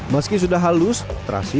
meski sudah halus terasis lagi